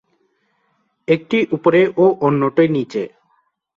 একটি উপরে ও অন্যটি নিচে।